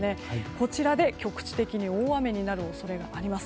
こちらで局地的に大雨になる恐れがあります。